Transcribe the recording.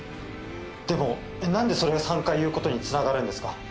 でも何でそれが３回言うことに繋がるんですか？